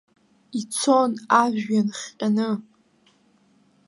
Ицон ажәҩан хҟьаны.